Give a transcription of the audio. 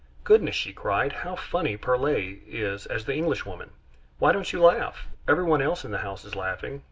"Goodness!" she cried, "how funny Perlet is as the Englishwoman!... Why don't you laugh? Everyone else in the house is laughing.